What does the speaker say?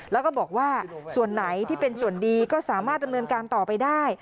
แล้วก็บอกว่าส่วนไหนที่เป็นส่วนดีก็สามารถดำเนินการต่อไปได้